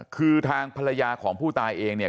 คือทางภรรยาของผู้ตายเองเนี่ย